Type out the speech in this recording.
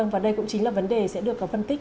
và đây cũng chính là vấn đề sẽ được phân tích